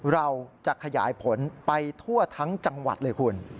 เราจะขยายผลไปทั่วทั้งจังหวัดเลยคุณ